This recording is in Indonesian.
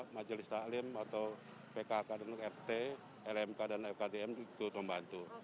majelis taklim atau pkh kedunuk rt lmk dan fktm itu membantu